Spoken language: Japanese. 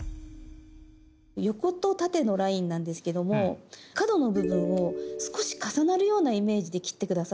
横と縦のラインなんですけども角の部分を少し重なるようなイメージで切って下さい。